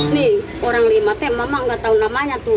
nih orang lima t mama nggak tahu namanya tuh